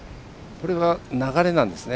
これは流れですね。